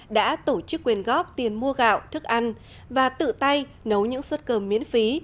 đã tổ chức quyền góp tiền mua gạo thức ăn và tự tay nấu những suất cơm miễn phí